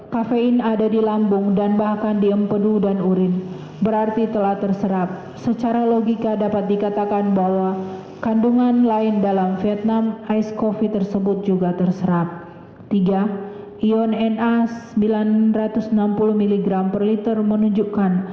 hal ini berdasar dan bersesuaian dengan keterangan ahli toksikologi forensik dr rednath imade agus gilgail wirasuta